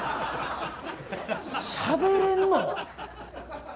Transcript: しゃべれんの！？